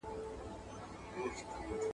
زه تیار یم.